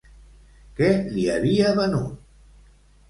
Què li havia venut?